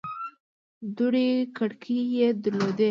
دوې کړکۍ يې در لودې.